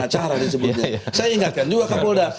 saya ingatkan juga kapolda